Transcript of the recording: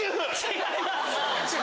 違います！